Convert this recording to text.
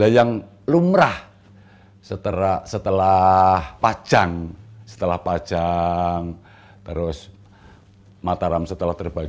yang lumrah setelah pajang setelah pajang terus mataram setelah terbaik